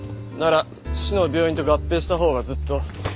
なら市の病院と合併したほうがずっと。